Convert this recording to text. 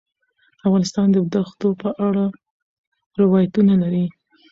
افغانستان د دښتو په اړه روایتونه لري.